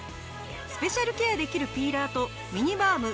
スペシャルケアできるピーラーとミニバーム